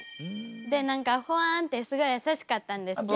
で何かほわんってすごい優しかったんですけど。